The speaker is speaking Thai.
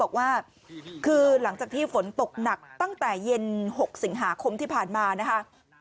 บอกว่าคือหลังจากที่ฝนตกหนักตั้งแต่เย็น๖สิงหาคมที่ผ่านมานะคะ